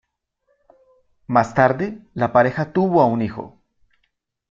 Más tarde, la pareja tuvo a un hijo.